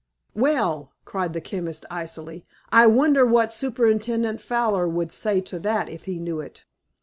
"Well!" cried the chemist icily, "I wonder what Superintendent Fowler would say to that if he knew it?"